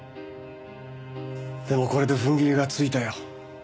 でもこれで踏ん切りがついたよ。